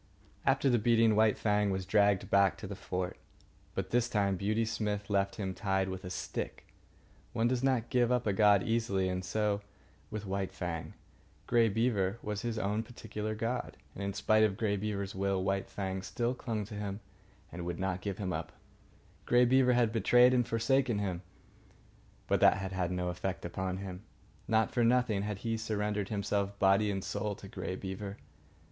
After the beating, White Fang was dragged back to the fort. But this time Beauty Smith left him tied with a stick. One does not give up a god easily, and so with White Fang. Grey Beaver was his own particular god, and, in spite of Grey Beaver's will, White Fang still clung to him and would not give him up. Grey Beaver had betrayed and forsaken him, but that had no effect upon him. Not for nothing had he surrendered himself body and soul to Grey Beaver.